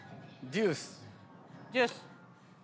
ジュース。